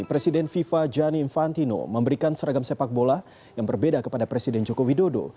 presiden fifa gianni infantino memberikan seragam sepak bola yang berbeda kepada presiden jokowi dodo